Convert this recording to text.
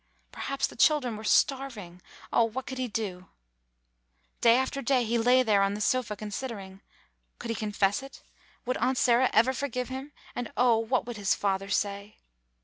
Perhaps the children were starving. Oh ! what could he do ? Day after day he lay there on the sofa con sidering. Could he confess it? Would Aunt Sarah ever forgive him? And oh ! what would his father say?